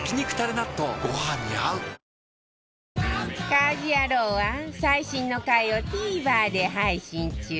『家事ヤロウ！！！』は最新の回を ＴＶｅｒ で配信中